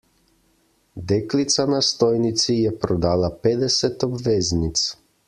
Deklica na stojnici je prodala petdeset obveznic.